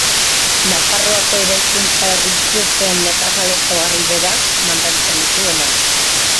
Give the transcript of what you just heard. Nafarroako eraikuntza erlijiosoen nekazal ezaugarri berak mantentzen dituena.